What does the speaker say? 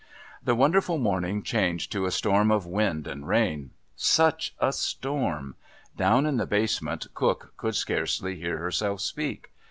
The wonderful morning changed to a storm of wind and rain. Such a storm! Down in the basement Cook could scarcely hear herself speak!